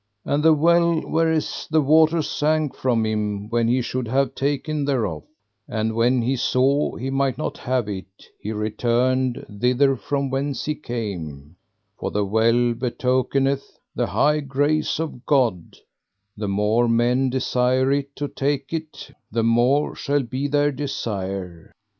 And the well whereas the water sank from him when he should have taken thereof, and when he saw he might not have it, he returned thither from whence he came, for the well betokeneth the high grace of God, the more men desire it to take it, the more shall be their desire.